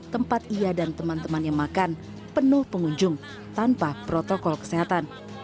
tempat ia dan teman temannya makan penuh pengunjung tanpa protokol kesehatan